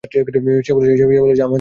সে বলেছে আমাদের আসন বদলাতে।